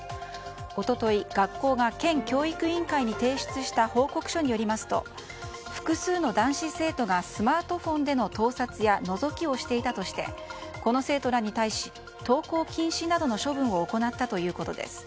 一昨日、学校が県教育委員会に提出した報告書によりますと複数の男子生徒がスマートフォンでの盗撮やのぞきをしていたとしてこの生徒らに対し投稿禁止などの処分を行ったということです。